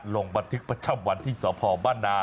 ลงบันทึกประจำวันที่สพบ้านนา